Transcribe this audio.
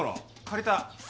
借りた。